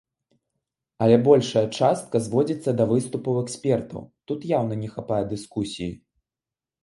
Але большая частка зводзіцца да выступаў экспертаў, тут яўна не хапае дыскусіі.